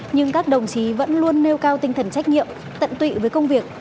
nhưng các đồng chí vẫn luôn nêu cao tinh thần trách nhiệm tận tụy với công việc